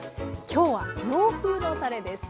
今日は洋風のたれです。